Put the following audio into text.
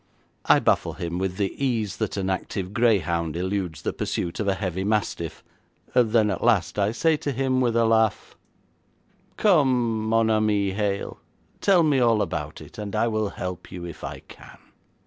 I baffle him with the ease that an active greyhound eludes the pursuit of a heavy mastiff, then at last I say to him with a laugh, 'Come mon ami Hale, tell me all about it, and I will help you if I can.'